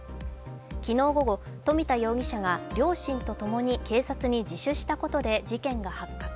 昨日午後、富田容疑者が両親とともに警察に自首したことで事件が発覚。